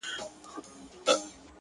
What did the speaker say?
• اوس یې مخ ته سمندر دی غوړېدلی ,